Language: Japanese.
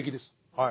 はい。